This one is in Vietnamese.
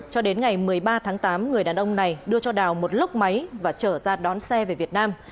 cho đến ngày một mươi ba tháng tám người đàn ông này đưa cho đào một lốc máy và trở ra đón xe về việt nam